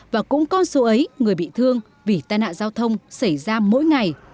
và cũng con số ấy người bị thương vì tai nạn giao thông xảy ra mỗi ngày